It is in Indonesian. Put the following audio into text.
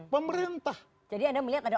pemerintah jadi anda melihat ada